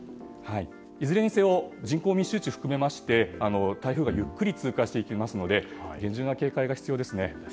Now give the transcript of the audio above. いずれにせよ人口密集地を含めまして台風がゆっくり通過していきますので厳重な警戒が必要です。